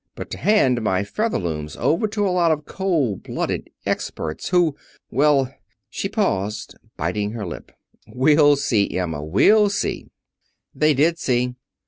But to hand my Featherlooms over to a lot of cold blooded experts who well " she paused, biting her lip. "We'll see, Emma; we'll see." They did see.